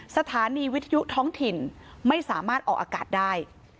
สถานีวิทยุท้องถิ่นไม่สามารถออกอากาศได้